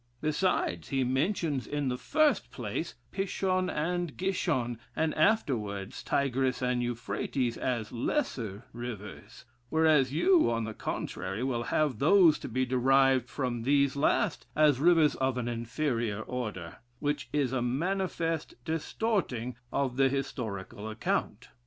Besides, he mentions in the first place Pishon and Gishon, and afterwards Tigris and Euphrates as lesser rivers; whereas you, on the contrary, will have those to be derived from these last as rivers of an inferior order, which is a manifest distorting of the historical account.